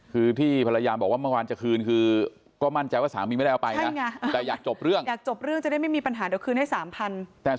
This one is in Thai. คือพลัยยาบอกว่าเมื่อวานจะคืนคือก็มั่นใจว่าสามีไม่ได้เอาไปนะ